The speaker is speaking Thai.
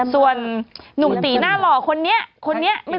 ส่วนนุ่มตีหน้ารอคนนี้ยังไง